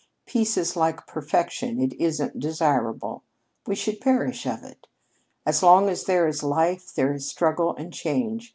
Peace is like perfection, it isn't desirable. We should perish of it. As long as there is life there is struggle and change.